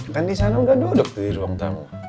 kan disana gak duduk di ruang tamu